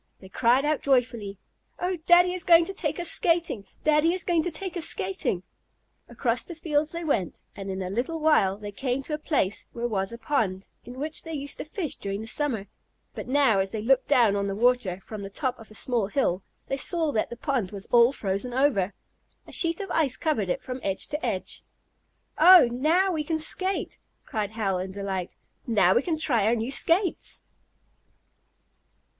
They cried out joyfully: "Oh, Daddy is going to take us skating! Daddy is going to take us skating!" Across the fields they went, and in a little while they came to a place where was a pond, in which they used to fish during the summer. But now as they looked down on the water, from the top of a small hill, they saw that the pond was all frozen over. A sheet of ice covered it from edge to edge. "Oh, now we can skate!" cried Hal in delight, "Now we can try our new skates."